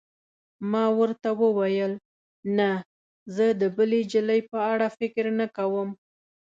ما ورته وویل: نه، زه د بلې نجلۍ په اړه فکر نه کوم.